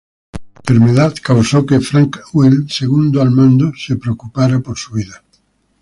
Su enfermedad causó que Frank Wild, segundo al mando, se preocupara por su vida.